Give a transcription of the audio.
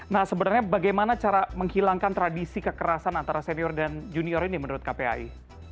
nah sebenarnya bagaimana cara menghilangkan tradisi kekerasan antara senior dan junior ini menurut kpai